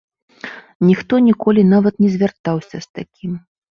Ніхто ніколі нават не звяртаўся з такім.